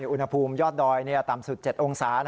อุณหภูมิยอดดอยต่ำสุด๗องศา